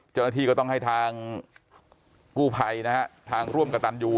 เจ้าหน้าที่ก็ต้องให้ทางกู้ภัยนะฮะทางร่วมกับตันยู